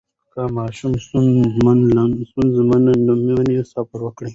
که ماشوم ستونزه نه مني، صبر وکړئ.